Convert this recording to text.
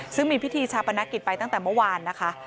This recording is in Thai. ซึ่งมีพิธีชาปนกิจไปตั้งแต่เมื่อวานนะคะ